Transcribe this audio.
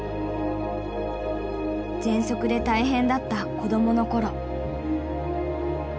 ぜんそくで大変だった子どもの頃。